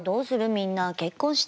みんな結婚して。